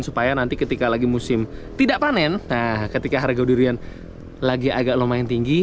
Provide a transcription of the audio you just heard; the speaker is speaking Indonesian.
supaya nanti ketika lagi musim tidak panen nah ketika harga durian lagi agak lumayan tinggi